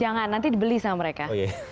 jangan nanti dibeli sama mereka